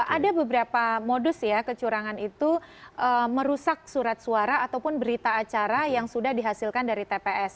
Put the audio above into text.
ada beberapa modus ya kecurangan itu merusak surat suara ataupun berita acara yang sudah dihasilkan dari tps